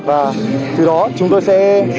và từ đó chúng tôi sẽ